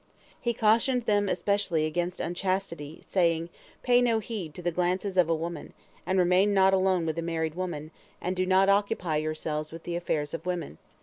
He cautioned them especially against unchastity, saying: "Pay no heed to the glances of a woman, and remain not alone with a married woman, and do not occupy yourselves with the affairs of women.